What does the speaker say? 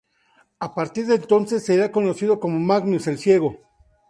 A partir de entonces sería conocido como Magnus "el Ciego".